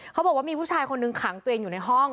เขาบอกว่ามีผู้ชายคนหนึ่งขังตัวเองอยู่ในห้อง